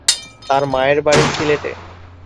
তার মায়ের বাড়ি সিলেটে।